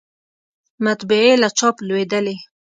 مطبعې له چاپ لویدلې